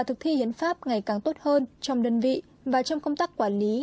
thực thi hiến pháp ngày càng tốt hơn trong đơn vị và trong công tác quản lý